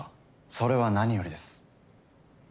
それは何よりです。